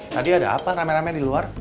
tadi ada apa rame rame di luar